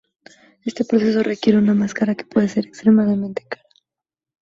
Este proceso requiere una máscara, que puede ser extremadamente cara.